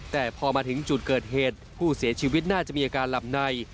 แต่พอมาถึงจุดเกิดเหตุผู้เสียชีวิตน่าจะมีอาการหลับใน